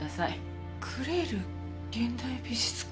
クレール現代美術館。